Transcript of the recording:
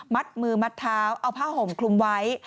มัดมือมัดเท้าเอาผ้าห่มคลุมไว้